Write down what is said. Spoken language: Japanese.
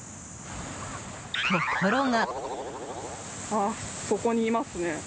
ところが。